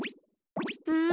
うん？